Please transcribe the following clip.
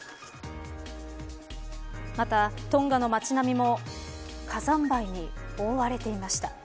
また、トンガの街並みも火山灰に覆われていました。